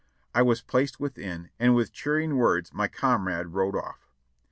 I was placed within, and with cheering words my com rade rode ofif.